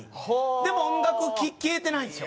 でも音楽消えてないんですよ。